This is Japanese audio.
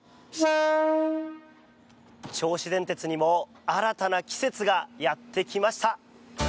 銚子電鉄にも新たな季節がやってきました。